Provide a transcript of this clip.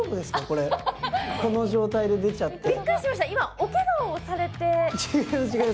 この状態で出ちゃって。